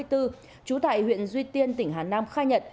trú tại huyện duy tiên tỉnh hà nam khai nhận